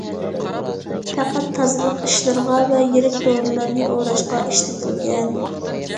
پەقەت تازىلىق ئىشلىرىغا ۋە يىرىك دورىلارنى ئوراشقا ئىشلىتىلگەن.